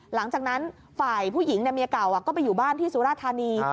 หลังจากนั้นฝ่ายผู้หญิงเมียเก่าก็ไปอยู่บ้านที่สุราธานี